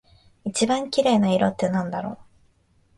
一番綺麗な色ってなんだろう？